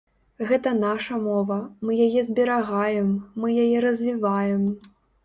Гэта наша мова, мы яе зберагаем, мы яе развіваем.